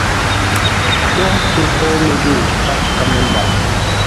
Tə́ pə FOUMƏZƏU tâʼ kámə́nda.